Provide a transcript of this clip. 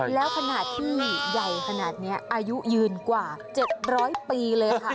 แล้วขนาดที่ใหญ่ขนาดนี้อายุยืนกว่า๗๐๐ปีเลยค่ะ